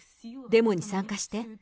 デモに参加して。